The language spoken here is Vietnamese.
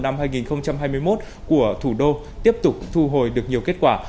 năm hai nghìn hai mươi một của thủ đô tiếp tục thu hồi được nhiều kết quả